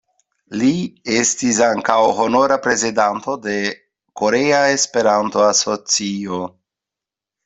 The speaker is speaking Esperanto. Li estis ankaŭ honora prezidanto de Korea Esperanto-Asocio.